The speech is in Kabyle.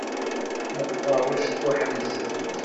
Meqqeṛ ucekkuḥ-nsent.